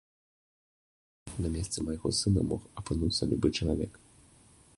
На месцы майго сына мог апынуцца любы чалавек.